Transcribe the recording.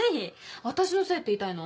私のせいって言いたいの？